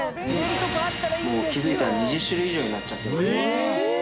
もう気づいたら２０種類以上になっちゃってます。